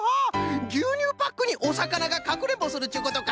ぎゅうにゅうパックにおさかながかくれんぼするっちゅうことか！